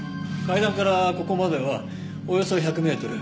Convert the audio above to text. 階段からここまではおよそ１００メートル。